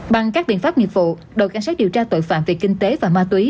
bằng các biện pháp nghiệp vụ đội cảnh sát điều tra tội phạm về kinh tế và ma túy